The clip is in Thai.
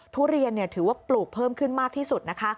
ทุเรียนถือว่าปลูกเพิ่มขึ้นมากที่สุดนะคะ